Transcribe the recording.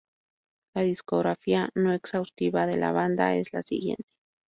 La discografía "no exhaustiva" de la banda es la siguiente.